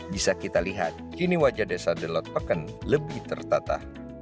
bisa kita lihat kini wajah desa delot peken lebih tertata